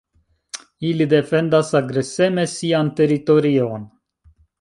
Ili defendas agreseme sian teritorion.